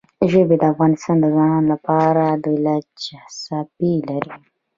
ژبې د افغان ځوانانو لپاره دلچسپي لري.